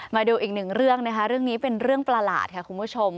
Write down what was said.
มาดูอีกหนึ่งเรื่องนะคะเรื่องนี้เป็นเรื่องประหลาดค่ะคุณผู้ชม